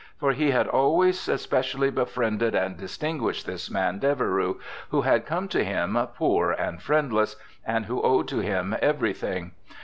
for he had always especially befriended and distinguished this man Deveroux, who had come to him poor and friendless, and who owed to him everything.